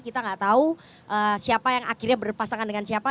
kita nggak tahu siapa yang akhirnya berpasangan dengan siapa